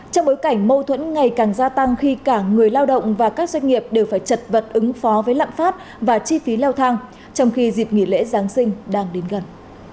trong bối cảnh mâu thuẫn ngày càng gia tăng khi cả người lao động và các doanh nghiệp đều phải chật vật ứng phó với lạm phát và chi phí leo thang trong khi dịp nghỉ lễ giáng sinh đang đến gần